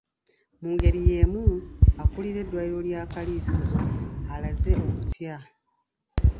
Mu ngeri y’emu, akulira eddwaliro lya Kaliisizo alaze okutya.